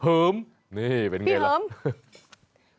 เหิมนี่เป็นอย่างไรล่ะพี่เหิม